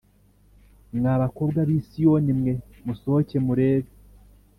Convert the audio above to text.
mwa bakobwa b i siyoni mwe musohoke murebe